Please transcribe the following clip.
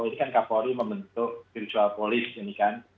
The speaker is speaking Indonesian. ini kan kapolri membentuk virtual police ini kan